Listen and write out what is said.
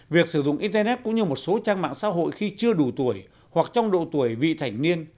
việc sử dụng internet cũng như một số trang mạng xã hội khi chưa đủ tuổi hoặc trong độ tuổi vị thành niên